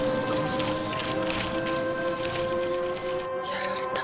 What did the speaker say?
やられた。